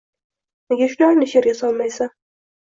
Nega shularni she’rga solmaysan?